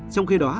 trong khi đó